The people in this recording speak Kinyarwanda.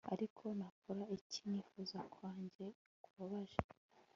ariko nakora iki nifuza kwanjye kubabaje